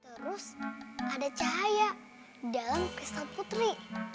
terus ada cahaya dalam pisto putri